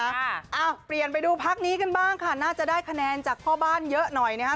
อ้าวเปลี่ยนไปดูพักนี้กันบ้างค่ะน่าจะได้คะแนนจากพ่อบ้านเยอะหน่อยนะฮะ